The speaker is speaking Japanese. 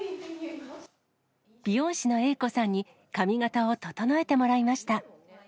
美容師の英子さんに髪形を整えてもらいました。